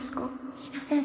比奈先生